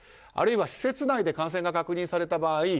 あるいは施設内で感染が確認された場合